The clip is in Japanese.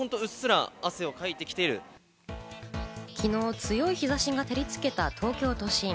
昨日、強い日差しが照りつけた東京都心。